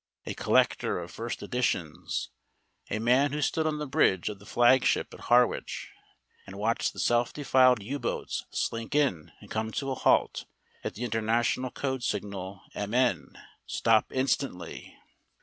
a collector of first editions, a man who stood on the bridge of the flagship at Harwich and watched the self defiled U boats slink in and come to a halt at the international code signal MN (Stop instantly!)